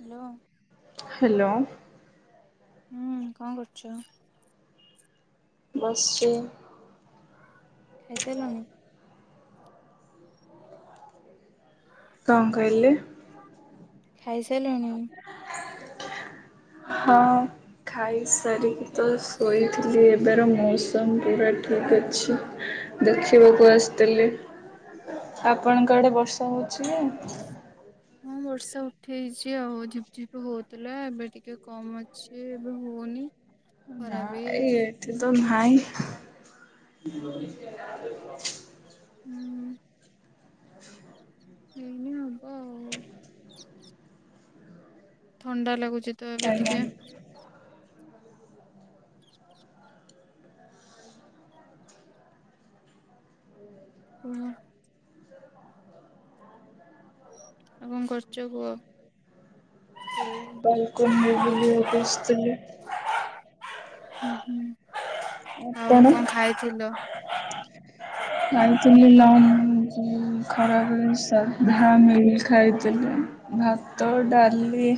Hello hello. ହୁଁ କଣ କରୁଚ? ବସିଚି। ଖାଇସାଇଲଣି? କଣ କହିଲେ? ଖାଇସା ସାଇଲଣି। ହଁ ଖାଇସାରିକି ତ ଶୋଇଥିଲି ଏବେର ମୌସମ ପୁରା ଠିକ ଅଛି, ଦେଖିବାକୁ ଆସିଥିଲି ଆପଣଙ୍କ ଆଡେ ବର୍ଷା ହଉଛି [unintelligible] ହଁ ବର୍ଷା ଉଠେଇଚି ଆଉ, ଝିପଝିପ ହଉଥିଲା ଏବେ ଟିକେ କମ ଅଛି ଏବେ ହଉନି। ନା ଖରା ବି ଏଠି ତ ନାହିଁ। ଜୀବନି [unintelligible] ହୁଁ। [unintelligible] ହେଇନି ହବ। ଆଉ। ଥଣ୍ଡା ଲାଗୁଛୁ। ଚିତ ଏବେ ଆଜ୍ଞା। ଟିକେ କହୁନ। ଆଉ କଣ କରୁଚ କୁହ? ଏଇ ବାଲୁକୁନି ରେ ବୁଲିବାକୁ ଆସିଥିଲି। ହୁଁ, ହୁଁ। ଆଉ ଆପଣ? କଣ ଖାଇଥିଲ? ଖାଇଥିଲି ଲଞ୍ଚ ଖରାବେଳେ ସାଧା ମିଲ୍ ଖାଇଥିଲି, ଭାତ, ଡାଲି,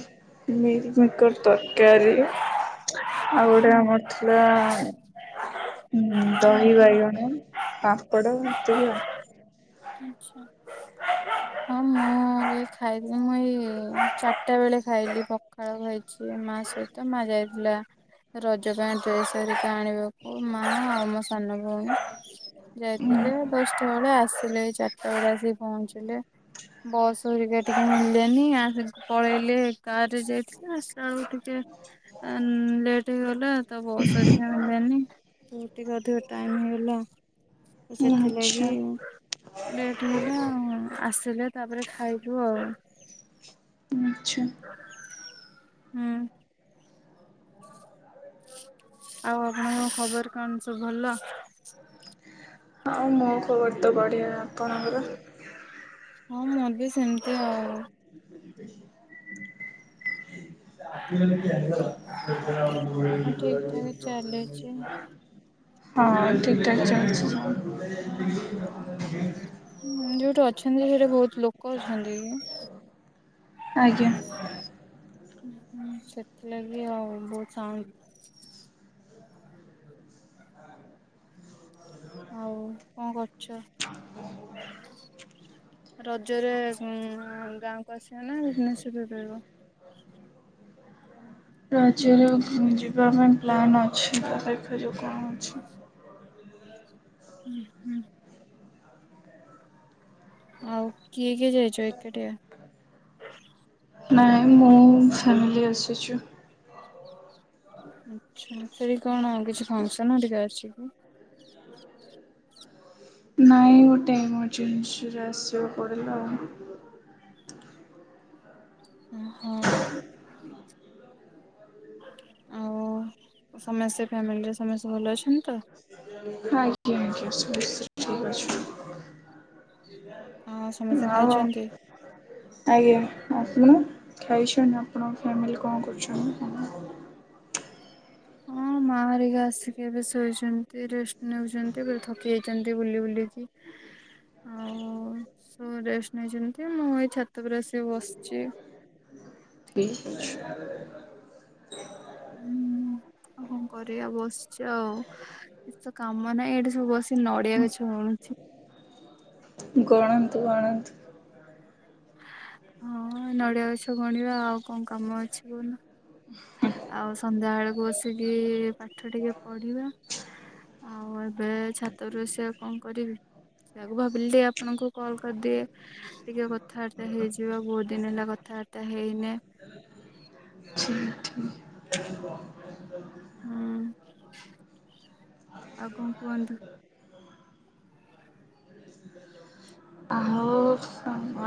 ମିଲ୍ ମିକର ତରକାରୀ। ଆଉ ଗୋଟେ ଆମର ଥିଲା ହଁ ହୁଁ, ଉଁ, ଦହି ବାଇଗଣ ପାମ୍ପଡ ଏତିକି ଆ,। ଆଚ୍ଛା ହଁ ମୁଁ ଏ ଖାଇଚି ମୁଇ ଚାରଟା ବେଳେ ଖାଇଲି ପଖାଳ ଖାଇଛି ମା ସହିତ, ମା ଯାଇଥିଲା ରଜ ପାଇଁ ଡ୍ରେସ୍ ହେରିକା ଆଣିବାକୁ ମା ଆଉ ମୋ ସାନ ଭଉଣୀ। ଯାଇଥିଲେ ଦଶଟା ବେଳେ ଆ ସିଲେଇଚ। ତାପରେ ଆସିକି ପହଞ୍ଚିଲେ ବସ୍ ହେରିକା ଟିକେ ମିଳିଲେନି ଆସି ପଳେଇଲେ କାର୍ ରେ ଯାଇଥିଲା ଆସିଲା ବେଳକୁ ଟିକେ ଏ-ଉଁ, ଲେଟ୍ ହେଇଗଲା ତ ବସ୍ ହେରିକା ମିିଳିଲାନି ତ ଟିକେ ଅଧିକ ଟାଇମ୍ ହେଇଗଲା। ତ ସେଥିଲାଗି ଆଚ୍ଛା ଲେଟ୍ ହେଲା ଆସ ଆସିଲେ ତାପରେ ଖାଇଲୁ ଆଉ। ଆଚ୍ଛା। ହୁଁ। ଆଉ ଆପଣଙ୍କ ଖବର କଣ ସବୁ ଭଲ? ହଁ ମୋ ଖବର ତ ବଢିଆ। ଆପଣଙ୍କର? ହଁ ମୁଁ ବି, ସେମିତି ଆଉ [unintelligible] ଆପଣ [unintelligible] ହଁ ଠିକ ଠାକ ଚାଲିଛି ହଁ ଠିକ ଠାକ୍ ଚାଲିଚି ହଁ ଯୋଉଠୁ ଅଛନ୍ତି ସେଠା ବହୁତ ଲୋକ ଅଛନ୍ତି। କି? ଆଜ୍ଞା। ସେଥିଲାଗି ଆଉ ବହୁତ ସାଉଣ୍ଡ ଆଉ କଣ କରୁଛ ରଜରେ ଗାଁକୁ ଆସିବା ନା ଭୁବନେଶ୍ୱରରେ ରହିବ। ରଜରେ ଯିବା ପାଇଁ ପ୍ଲାନ୍ ଅଛି ଦେଖାଯାଉ କ'ଣ ହଉଛି। ହୁଁ ହୁଁ। ଆଉ କିଏ କିଏ ଯାଇଛ ଏକାଟିଆ। ନାଇଁ ମୁଁ ଫ୍ୟାମିଲି ଆସିଛୁ। ଆଛା ସେଠ କଣ ଆଉ କିଛି ଫଙ୍କସନ ଅଧିକା ଅଛି କି। ନାଇଁଗୋଟେ ଏମର୍ଜେନ୍ସି ରେ ଆସିବା ପଡିଲା ଆଉ। ଓ ହଁ। ଆଉ ସମସ୍ତେ ଫ୍ୟାମିଲିରେ ସମସ୍ତେ ଭଲ ଅଛନ୍ତି। ତ? ହଁ। ଠିକ ଅଛି। ଓହୋ ଆଉ ଆଜ୍ଞା। ସମସ୍ତେ ଖାଇଛନ୍ତି? ଆପଣ ଖାଇଛନ୍ତିଛନ୍ତି ଆପଣଙ୍କ ଫ୍ୟାମିଲି କଣ କରୁଛନ୍ତି। ହଁ ମା ଆରିକା ଆସିକି ଏବେ ଶୋଇଛନ୍ତି ରେଷ୍ଟ ନେଉଛନ୍ତି ପା ଥକି ଯାଇଛନ୍ତି ବୁଲି ବୁଲିକି ଆଉ ରେଷ୍ଟ ନେଇଛନ୍ତି ମୁଁ ଏଇ ଛାତ ଉପ ଆସିକି ବସିଛି। ଠିକ। ହୁଁ ଆଉ କଣ କରିବା ବସିଛି ଆଉ ତ କାମ ନାହିଁ ଏଇଠି ସବୁ ବସି ନଡ଼ିଆ ଗଛ ଗଣୁଛି। ଗଣନ୍ତୁ ଗଣନ୍ତୁ। ହଁ ନଡିଆ ଗଛ ଗଣିବା ଆଉ କଣ କାମ ଅଛି କହୁନ। ଆଉ ସନ୍ଧ୍ୟା ବେଳକୁ ଆସିକି ପାଠ ଟିକେ ପଢିବା ଆଉ ଏବେ ଛାତରୁ ସେବା କଣ କରିବି ସେୟକୁ ଭାବିଲି ଟିକ ଆପଣଙ୍କୁ କଲ କରିଦିଏ ଟିକେ କଥାବାର୍ତ୍ତା ହେଇଯିବ ବହୁତ ଦିନ ହେଲା କଥାବାର୍ତ୍ତା ହେଇନେ। ଠିକ୍ ଠିକ୍। ହୁଁ ଆଉ କଣ କୁହନ୍ତୁ। ଖ ଆପଣ? ସମ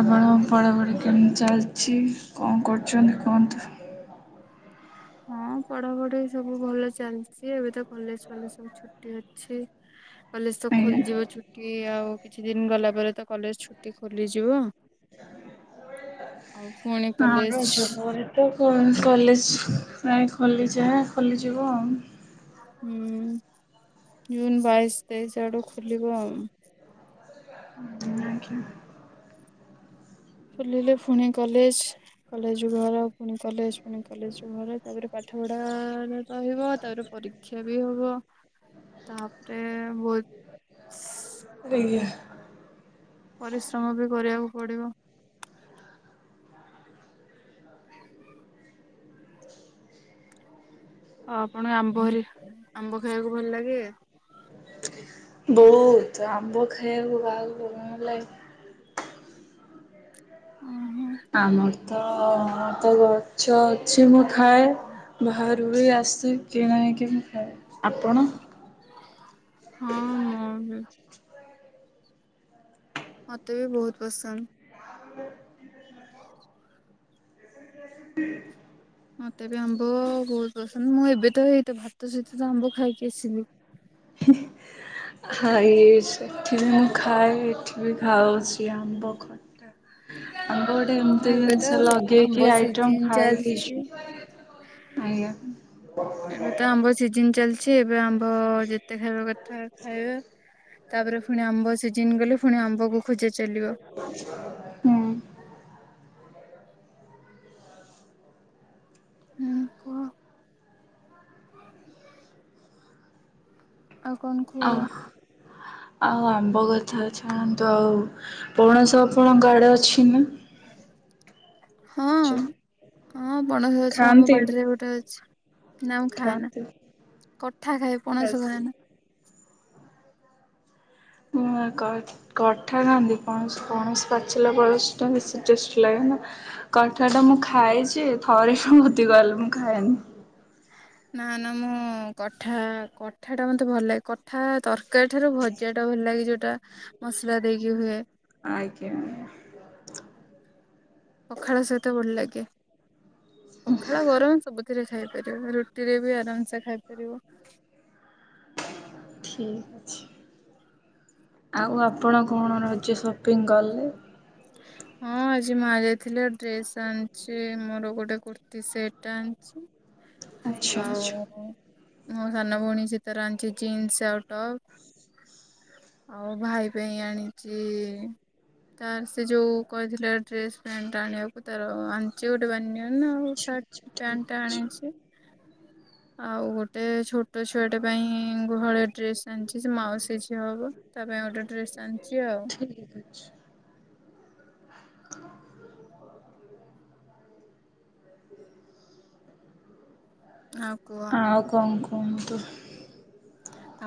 ଆପଣ ପ଼ଢାପଢ଼ି କେମିତି ଚାଲିଛି କଣ କରୁଛନ୍ତି କୁହନ୍ତୁ। ହଁ ପଢାପଢି ସବୁ ଭଲ ଚାଲିଛି ଏବେ ତ କଲେଜ କଲେଜ ସବୁ ଛୁଟି ଅଛି କଲେଜ ତ ଆଜ୍ଞା ଖୋଲିଯିବ ଛୁଟି ଆଉ କିଛି ଦିନ ଗଲା ପରେ ତ କଲେଜ ଛୁଟି ଖୋଲିଯିବ ଆଉ। ପୁଣି ହଁ କଲେଜ ରଜରେ ତ କଣ କଲେଜ। ପ୍ରାୟ ଖୋଲିଛଁ ଖୋଲିଯିବୁ ଆଉ। ହୁଁ ଜୁନ୍ ବାଇଶ ତେଇଶ ଆଡୁ ଖୋଲିବ ଆ ଆଜ୍ଞା। ବୁଲିଲେ ପୁଣି କଲେଜ କଲେଜ ଘର ପୁଣି କଲେଜ ପୁଣି କଲେଜ ଘର ତାପରେ ପାଠ ପଢ଼ା ରହିବ ତାପରେ ପରୀକ୍ଷା ବି ହବ ତାପରେ ବହୁତ ରଏ ପରିଶ୍ରମ ବି କରିବାକୁ ପଡିବ ହଁ ଆପଣଙ୍କୁ ଆମ୍ବ ହେରିକା ଆମ୍ବ ଖାଇବାକୁ ଭଲ ଲାଗେ? ବହୁତ ଆମ୍ବ ଖାଇବାକୁ କାହାକୁ ଭଲ ନଲାଗେ ଓଁ ହ। ଆମର ତ ତ ଗଛ ଅଛି ମୋ ଖାଏ ଭାହାରୁ ବି ଆସ କିଣା ହେଇକି ମୁ ଖ ଆପଣ? ହଁ, ମୁଁ ବି ମତେ ବି ବହୁତ ପସନ୍ଦ [inaudible] ମତେ ବି ଆମ୍ବ ବହୁତ ପସନ୍ଦ ମୁଁ ଏବେ ତ ଏଇତ ଭାତ ସହିତ ତ ଆମ୍ବ ଖାଇକି ଆସିଲି। ଖାଇ ସେଠି ମୁଁ ଖାଏ ଏଠି ବି ଖାଉଛି ଆମ୍ବ ଖଟା ଆମ୍ୱ ଗୋଟେ ହଁ ଏମତି ଏବେ ତ ଜିନିଷ ଆମ୍ବ ଲଗେଇକି ଆଇଟମ ସିଜିନ ଚାଲିଛି। ଖାଇକି ଆଞା ଛି ଏବେ ଆମ୍ବ ଯେତେ ଖାଇବେ କଥା ଖାଇବେ ତାପରେ ପୁଣି ଆମ୍ବ ସିଜିିନ ଗଲେ ପୁଣି ଆମ୍ବକୁ ଖୋଯା ଚାଲିବ। କୁହ ଆଉ କଣ ଆ କୁହ? ଆଉ ଆମ୍ବ କଥା ଛାଡ଼ନ୍ତୁ। ଆଉ ପଣସ ଆପଣଙ୍କ ଆଡେ ଅଛି ନା? ହଁ ହଁ ପଣସ ଗଛ ଆମ ଖାଆନ୍ତି ବାଡିରେ ଗୋଟେ ଅଛି ନା ମୁଁ ଖାଏନା ଖାଆନ୍ତି କଠା ଖାଏ ପଣସ ବାସ୍। ଖାଏନା। ଉଁ କଠ କଠା ଖାନ୍ତି ପଣସ ପଣସ ପାଚିଲା ପଣସ ଟା ବେଶୀ ଟେଷ୍ ଲାଗେନା କଠା ଟା ମୁଁ ଖାଇଛି ଥରେ ବି ଭୋତି କଲେ ମୁଁ ଖାଏନି। ନା ନା ମୁଁ କଠା କଠା ଟା ମତେ ଭଲ ଲାଗେ କଠା ତରକାରୀ ଠାରୁ ଭଜା ଟା ଭଲ ଲାଗେ ଯୋ ଟା ମସଲା ଦେଇକି ହୁଏ। ଆଜ୍ଞା। ପଖାଳ ସହିତ ଭଲ ଲାଗେ ପଖାଳ ଗରମ ସବୁଥିରେ ଖାଇପାରିବ ରୁଟିରେ ବି ଏକଦମସେ ଖାଇପାରିବ ଠିକ ଅଛି ଆଉ ଆ ଆପଣ କଣ ରଜ ସପିଙ୍ଗ କଲେ? ହଁ ଆଜି ମାଁ ଯାଇଥିଲେ ଡ୍ରେସ ଆଣିଛି ମୋର ଗୋଟେ କୁର୍ତ୍ତୀ ସେଟ ଟେ ଆଣିଛି। ଆଚ୍ଛା ଆଚ୍ଛା। ଆଉ ମୋ ସାନ ଭଉଣୀ ସେ ତାର ଆଣିଛି ଜିନ୍ସ ଆଉ ଟପ୍ ଆଉ ଭାଇ ପାଇଁ ଆଣିଛି ତାର ସେ ଯୋଉ କହିଥିଲା ଡ୍ରେସ୍ ପ୍ୟାଣ୍ଟ ଆଣିବାକୁ ତାର ଆଣିଛି ଗୋଟେ [unintelligible] ଆଚ୍ଛା ସଟ୍ ଆଚ୍ଛା ଠିକ୍ ପ୍ୟାଣ୍ଟଟା ଅଛି ଆଣିଛି। ଆଉ ଗୋଟେ ଛୋଟ, ଛୋଟ ଛୁଆଟ ପାଇଁ ଗୁହଳି ଡ୍ରେସ ଆଣିଛି ସେ ମାଉସୀ ଝିଅ ହବ ତା ପାଇଁ ଗୋଟେ ଡ୍ରେସ୍ ଆଣିଛି ଆଉ ଠିକ୍ ଅଛି। [unintelligible] ଆଉ କୁହ ହଉ କଣ କୁହ? କୁହନ୍ତୁ?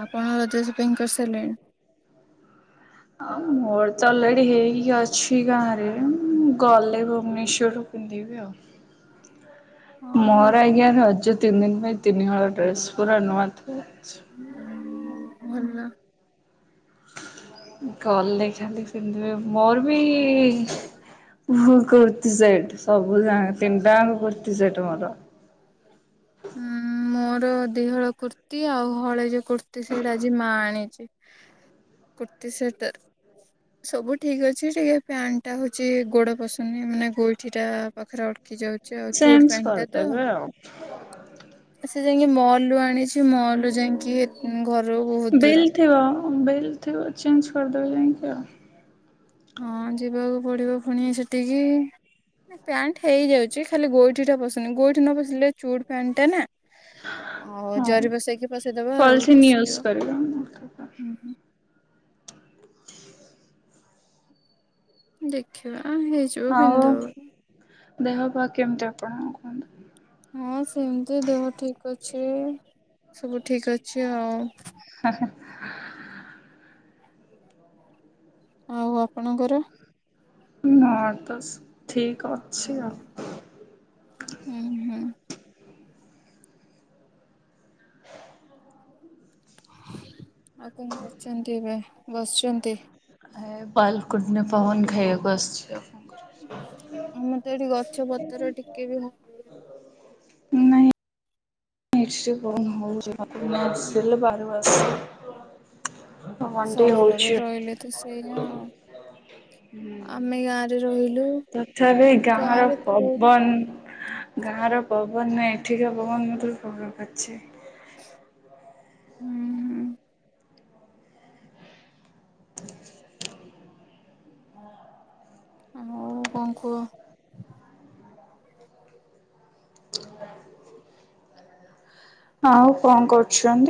ଆପଣ ରଜସପିଙ୍ଗ କରିସାରିଲେଣି। ଆଉ ମୋର ତ ଅଲରେଡି ହେଇକି ଅଛି ଗାଁ ରେ। ଗଲେ ଭୁବନେଶ୍ଵର ପିନ୍ଧିବି ଆଉ। ମୋର ହଁ ଆଜ୍ଞା ରଜ ତିନି ଦିନ ପାଇ ତିନିହଳ ଡ୍ରେସ୍ ପୁରା ନୂଆ ଥୁଆ ହେଇଚି। ଭଲ। ଗଲେ ଖାଲି ସେମିତି ମୋର ବି କୁର୍ତି ସେଟ ସବୁ ଜ ତିନି ଟଙ୍କାଙ୍କ କୁର୍ତି ସେଟ ମୋର। ଉଁ ମୋର ଦିହଳ କୁର୍ତ୍ତୀ ଆଉ ହଳେଇ ଯୋଉ କୁର୍ତ୍ତିୀ ସେଟ ଆଜି ମା ଆଣିଛି। କୁର୍ତୀ ସେଟ ସବୁ ଠିକ ଅଛି ଯେ ଟିକେ ପ୍ୟାଣ୍ଟ ଟା ହଉଛି ଗୋଡ ପଶୁନି ମାନେ ଗୋଇଠି ଟା ପାଖରେ ଗୋ ଚେଞ୍ଜ କରିଦେବେ ଆଉ। ସେ ଯାଇକି ମଲ ରୁ ଆଣିଛି ମଲ ରୁ ଯାଇକି ଇ ଏ ଘରୁ ବହୁତୁ ଦୂର। ବିଲ୍ ଥିବ ବିଲ୍ ଥିବ ଚେଞ୍ଜ୍ କରିଦେବି ଯାଇକି ଆଉ। ହଁ ଯିବାକୁ ପଡିବ ପୁଣି ସେଠିକି ପ୍ୟାଣ୍ଟ ହେଇଯାଉଛି। ଖାଲି ଗୋଇଠିଟା ପଶନି ଗୋଇଠି ନ ପଶିଲେ ଚୁଡ୍ ପ୍ୟାଣ୍ଟଟା ନା। ଆଉ ହଁ। ଜରି ପସେଇକି ପସେଇଦବା ଆଉ ପଲିଥିନ୍ ୟୁଜ୍ ପସିିଯିବ। କରିବା ଉ ହୁଁ ଦେଖିବା। ଆ ହେଇଯିଵ ଆଉ ପିନ୍ଧିଦେବ। ଦେହ ପା କେମିତି ଆପଣ କୁହନ୍ତୁ। ହଁ ସେମିତି ଦେହ ଠିକ ଅ ଅଛି ସବୁ ଠିକ୍ ଅଛି ଆଉ। ହାହା, ଆଉ ଆପଣଙ୍କର। ନା ତ ସେ, ଠିକ ଅଛି ହୁଁ ଆଉ। ହୁଁ ଆଉ କଣ କରଛନ୍ତି ଏବେ ବସିଛନ୍ତି। ଆୟା ଆୟା ବାଲକୁନି ରେ ପବନ ଖାଇବାକୁ ଆସଛି ଆଉ। ଆମ ତ ଏଠି ଗ ଗଛ ପତ୍ର ଟିକେ ବି ହ ନାହିଁ। ନେଇନ ହ ସେିଲ ବାାରୁ [unintelligible] ସହରରେ ରହିଲେ ତ ସେଇଆା ଆଉ। ହୁଁ ଆମେ ଗାଁରେ ରହିଲୁ ତଥାପି ଗାଁରେ ତ ବହୁତ ଗାଁ ର ପବନ ନାଁ ଏଠିକା ପବନ ମଧ୍ୟ ରୁ ଭୋଗ କରିଚି। ହୁଁ ହୁଁ। ହ [inaudible] ଆଉ କଣ କୁହ। [inaudible] ଆଉ କଣ କରୁଚନ୍ତି?